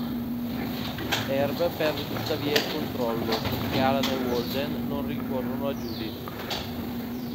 Herb perde tuttavia il controllo, finché Alan e Walden non ricorrono a Judith.